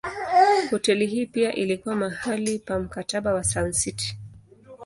Hoteli hii pia ilikuwa mahali pa Mkataba wa Sun City.